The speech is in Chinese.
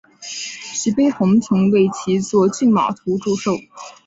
徐悲鸿曾为其作骏马图祝寿。